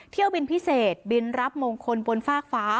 เที่ยวบินพิเศษบินรับมงคลบนฟากฟ้า